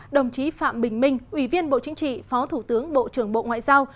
đồng chí phạm bình minh ủy viên bộ chính trị phó thủ tướng bộ trưởng bộ ngoại giao